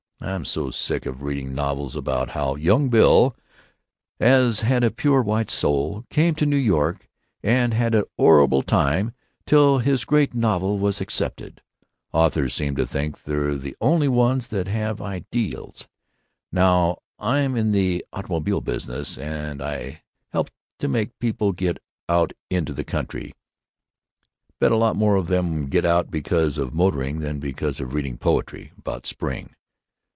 I'm so sick of reading novels about how young Bill, as had a pure white soul, came to New York and had an 'orrible time till his great novel was accepted. Authors seem to think they're the only ones that have ideals. Now I'm in the automobile business, and I help to make people get out into the country—bet a lot more of them get out because of motoring than because of reading poetry about spring.